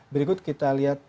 berikut kita lihat